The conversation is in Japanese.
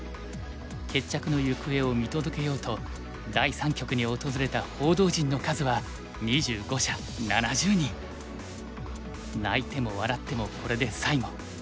決着の行方を見届けようと第三局に訪れた報道陣の数は泣いても笑ってもこれで最後。